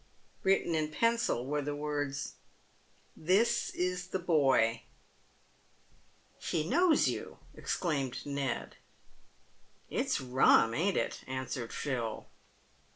Written in pencil were the words, " This is the boy." " He knows you !" exclaimed Ned. 296 PAYED WITH GOLD. " It's rum, ain't it ?" answered Phil.